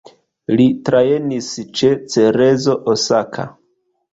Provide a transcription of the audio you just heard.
Li trejnis ĉe Cerezo Osaka.